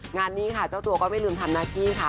งานนี้ค่ะเจ้าตัวก็ไม่ลืมทำหน้าที่ค่ะ